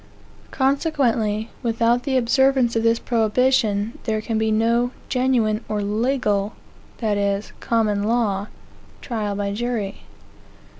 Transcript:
Consequently, without the observance of this prohibition, there can be no genuine or legal that is, common law trial by jury.